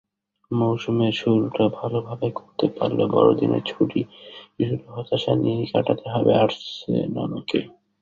মৌসুমের শুরুটা ভালোভাবে করতে পারলেও বড়দিনের ছুটি কিছুটা হতাশা নিয়েই কাটাতে হবে আর্সেনালকে।